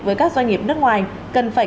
với các doanh nghiệp nước ngoài cần phải